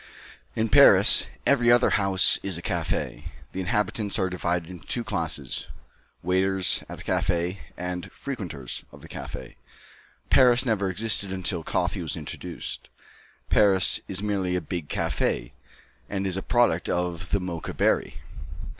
In Paris, every other house is a café. The inhabitants are divided into two classes: waiters at the café, and frequenters of the café. Paris never existed until coffee was introduced. Paris is merely a big café, and is a product of the Mocha berry.